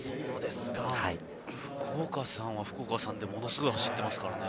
福岡さんは福岡さんでものすごい走ってますからね。